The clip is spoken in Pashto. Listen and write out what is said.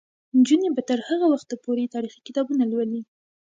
نجونې به تر هغه وخته پورې تاریخي کتابونه لولي.